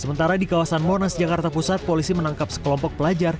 sementara di kawasan monas jakarta pusat polisi menangkap sekelompok pelajar